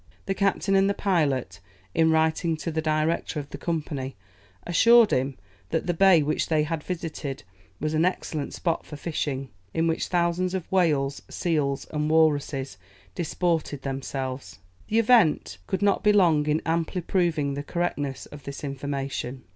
The captain and the pilot, in writing to the Director of the Company, assured him that the bay which they had visited was an excellent spot for fishing, in which thousands of whales, seals, and walruses, disported themselves. The event could not be long in amply proving the correctness of this information.